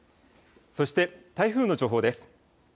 そして、台風の情報です。